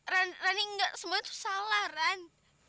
rani rani enggak semuanya tuh salah rani